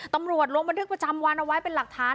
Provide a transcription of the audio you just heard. ตำรวจลงบันทึกประจำวันเอาไว้เป็นหลักฐาน